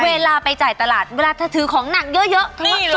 เวลาไปจ่ายตลาดเวลาเธอถือของหนักเยอะ